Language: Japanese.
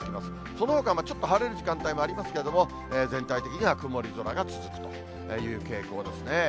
そのほか、ちょっと晴れる時間帯もありますけれども、全体的には曇り空が続くという傾向ですね。